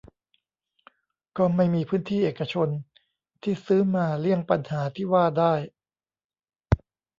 ก็ไม่มีพื้นที่เอกชน ที่ซื้อมาเลี่ยงปัญหาที่ว่าได้